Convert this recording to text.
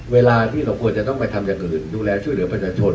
เวลาที่เราต้องไปทำอย่างอื่นเช่นดูแลชื่อเหลือปรัชน์